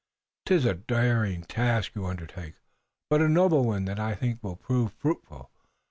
'Tis a daring task you undertake, but a noble one that I think will prove fruitful.